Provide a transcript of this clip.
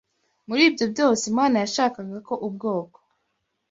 Muri ibyo byose, Imana yashakaga ko ubwoko